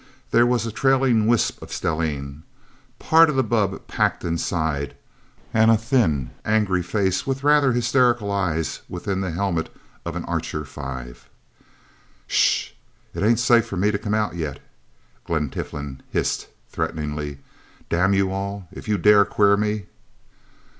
There was a trailing wisp of stellene part of the bubb packed inside and a thin, angry face with rather hysterical eyes, within the helmet of an Archer Five. "Shhh it ain't safe for me to come out yet," Glen Tiflin hissed threateningly. "Damn you all if you dare queer me...!"